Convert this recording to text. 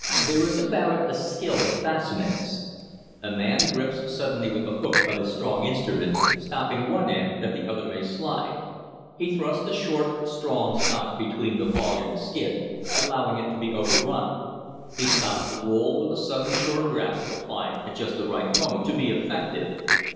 There is about it a skill that fascinates. A man grips suddenly with the hook of his strong instrument, stopping one end that the other may slide; he thrusts the short, strong stock between the log and the skid, allowing it to be overrun; he stops the roll with a sudden sure grasp applied at just the right moment to be effective.